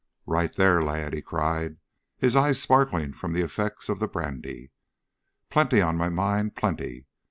"Right there, lad!" he cried, his eyes sparkling from the effects of the brandy. "Plenty on my mind plenty!